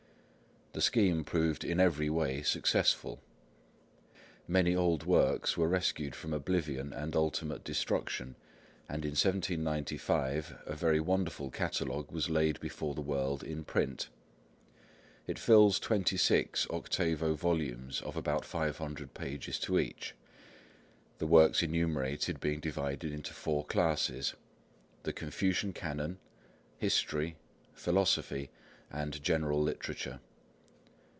The scheme proved in every way successful. Many old works were rescued from oblivion and ultimate destruction, and in 1795 a very wonderful Catalogue was laid before the world in print. It fills twenty six octavo volumes of about five hundred pages to each, the works enumerated being divided into four classes,—the Confucian Canon, History, Philosophy, and General Literature.